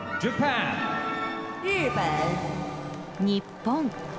日本。